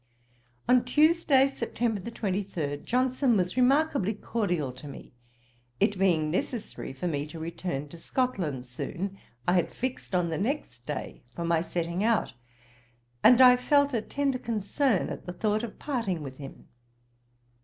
On Tuesday, September 23, Johnson was remarkably cordial to me. It being necessary for me to return to Scotland soon, I had fixed on the next day for my setting out, and I felt a tender concern at the thought of parting with him.